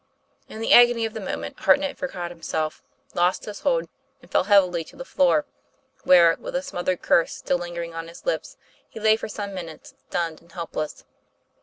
In the agony of the moment Hartnett forgot himself, lost his hold, and fell heavily to the floor, where, with a smothered curse still lingering on his lips, he lay for some minutes stunned and helpless.